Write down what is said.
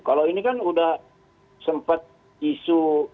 kalau ini kan udah sempat isu